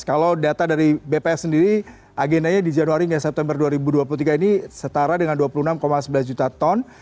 kalau data dari bps sendiri agendanya di januari hingga september dua ribu dua puluh tiga ini setara dengan dua puluh enam sembilan juta ton